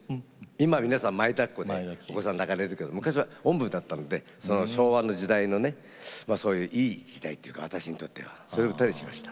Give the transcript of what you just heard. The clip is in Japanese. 今は、皆さん、前だっこでお子さん抱かれるけど昔はおんぶだったので昭和の時代のいい時代っていうか私にとっては。それを歌にしました。